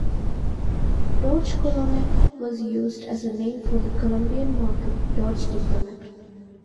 Dodge Coronet was used as a name for the Colombian-market Dodge Diplomat.